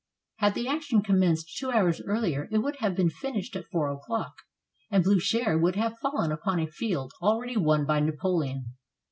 Had the action commenced two hours earlier it would have been finished at four o'clock, and Bliicher would have fallen upon a field already won by Napoleon.